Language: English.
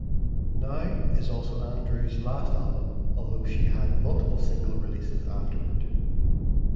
"Now" is also Andrews' last album, although she had multiple single releases afterward.